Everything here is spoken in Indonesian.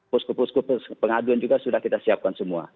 pusku pusku pengaduan juga sudah kita siapkan semua